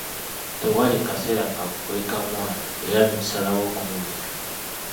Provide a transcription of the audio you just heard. Tewali kaseera ka kukweeka mwana, era ne kisalawo okumumira.